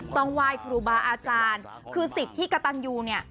ต้องไหว้ครูบาอาจารย์คือสิทธิ์ที่กระตันยูเนี่ย